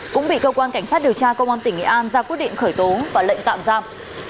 cũng bị cơ quan cảnh sát điều tra công an tỉnh nghệ an ra quyết định khởi tố và lệnh tạm giam